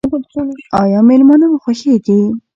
ایا میلمانه مو خوښیږي؟